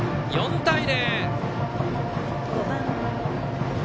４対０。